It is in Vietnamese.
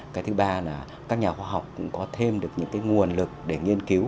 cái thứ ba là các nhà khoa học cũng có thêm được những cái nguồn lực để nghiên cứu